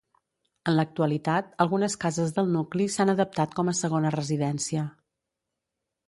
En l'actualitat algunes cases del nucli s'han adaptat com a segona residència.